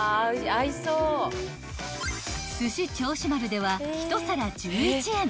［すし銚子丸では１皿１１円］